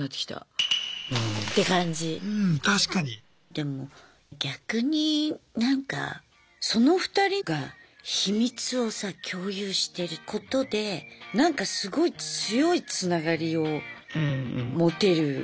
でも逆になんかその２人が秘密をさ共有してることでなんかすごい強いつながりを持てる気もする普通の夫婦より。